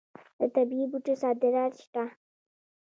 د طبي بوټو صادرات شته.